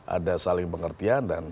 ada saling pengertian dan